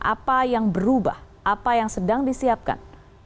apa yang berubah apa yang sedang disiapkan